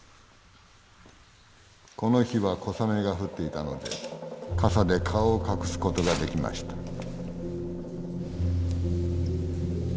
この日は小雨が降っていたので傘で顔を隠す事ができました。